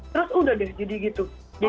terus udah jadi gitu